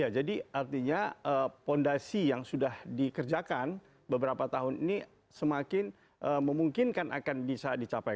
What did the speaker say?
jadi artinya fondasi yang sudah dikerjakan beberapa tahun ini semakin memungkinkan akan bisa dicapai